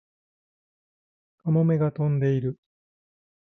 カモメが飛んでいる